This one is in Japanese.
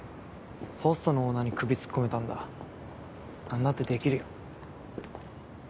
ホストのオーナーに首突っ込めたんだ何だってできるよ。